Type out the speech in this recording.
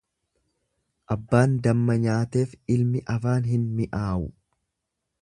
Abbaan damma nyaateef ilmi afaan hin mi'aawu.